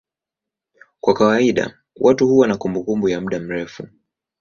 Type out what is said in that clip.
Kwa kawaida watu huwa na kumbukumbu ya muda mrefu.